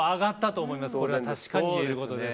これは確かに言えることです。